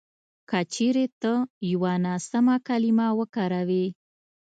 که چېرې ته یوه ناسمه کلیمه وکاروې